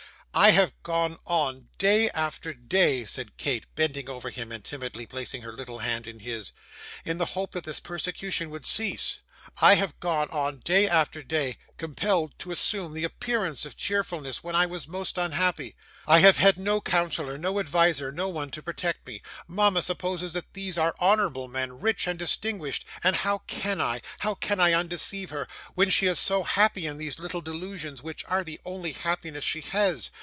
'I have gone on day after day,' said Kate, bending over him, and timidly placing her little hand in his, 'in the hope that this persecution would cease; I have gone on day after day, compelled to assume the appearance of cheerfulness, when I was most unhappy. I have had no counsellor, no adviser, no one to protect me. Mama supposes that these are honourable men, rich and distinguished, and how CAN I how can I undeceive her when she is so happy in these little delusions, which are the only happiness she has?